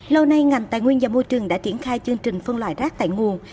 lâu nay ngành tài nguyên và môi trường đã triển khai chương trình phân loại rác tại nguồn